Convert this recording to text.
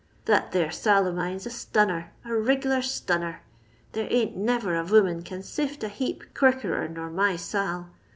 That there Sail of mine 's a stunner — a riglar stunner. There ain't never a voman can sift a heap quickercr nor my Sail.